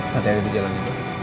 pati aku dijalankan